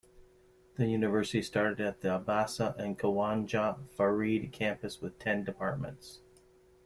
The University started at the Abbasia and Khawaja Fareed campuses with ten departments.